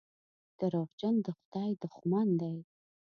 دروغجن د خدای دښمن دی.